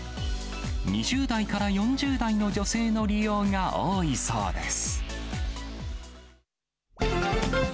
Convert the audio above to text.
２０代から４０代の女性の利用が多いそうです。